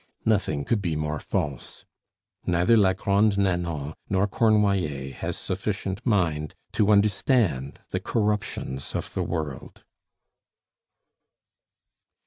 Nothing could be more false. Neither la Grande Nanon nor Cornoiller has sufficient mind to understand the corruptions of the world.